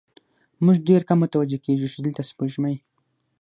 موږ ډېر کم متوجه کېږو، چې دلته سپوږمۍ